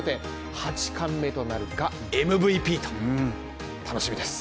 ８冠目となるか、ＭＶＰと、うん、楽しみです